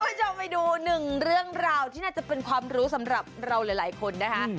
คุณผู้ชมไปดูหนึ่งเรื่องราวที่น่าจะเป็นความรู้สำหรับเราหลายคนนะคะ